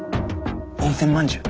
温泉まんじゅう。